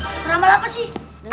ngeramal apa sih